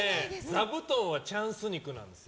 ザブトンはチャンス肉なんです。